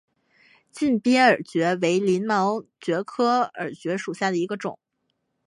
近边耳蕨为鳞毛蕨科耳蕨属下的一个种。